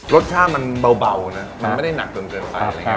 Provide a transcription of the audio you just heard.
รสชาติมันเบานะมันไม่ได้หนักเกินไป